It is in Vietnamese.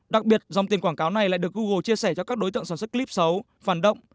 đặc biệt dòng tiền quảng cáo này lại được google chia sẻ cho các đối tượng sản xuất clip xấu phản động